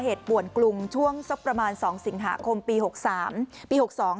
ป่วนกรุงช่วงสักประมาณสองสิงหาคมปีหกสามปีหกสอง